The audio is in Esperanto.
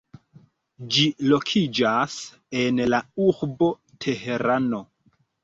Ĝi lokiĝas en la urbo Teherano.